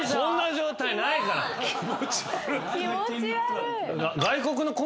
気持ち悪い。